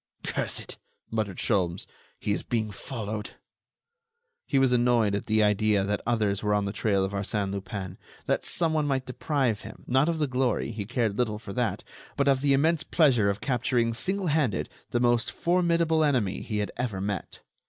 "Curse it!" muttered Sholmes; "he is being followed." He was annoyed at the idea that others were on the trail of Arsène Lupin; that someone might deprive him, not of the glory—he cared little for that—but of the immense pleasure of capturing, single handed, the most formidable enemy he had ever met.